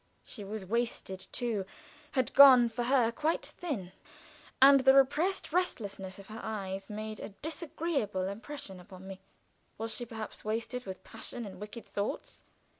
She was wasted too had gone, for her, quite thin; and the repressed restlessness of her eyes made a disagreeable impression upon me. Was she perhaps wasted with passion and wicked thoughts?